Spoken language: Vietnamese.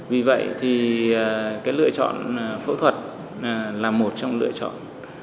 vì vậy thì cái lựa chọn phẫu thuật là một trong lựa chọn